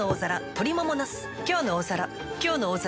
「きょうの大皿」